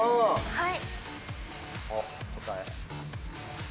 はい。